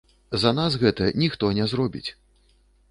За нас гэта ніхто не зробіць.